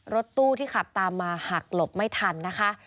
รถตู้ที่ขับตามมาหักหลบไม่ทันนะคะ